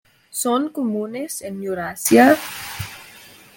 Son comunes en Eurasia